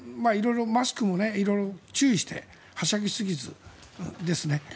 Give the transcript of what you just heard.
色々マスクも注意してはしゃぎすぎずですね。